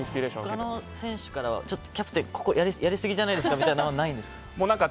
他の選手からはキャプテンここやりすぎじゃないですかみたいなのはないんですか？